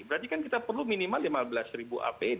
berarti kan kita perlu minimal lima belas ribu apd